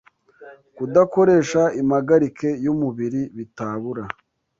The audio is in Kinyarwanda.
Kudakoresha impagarike y’umubiri bitabura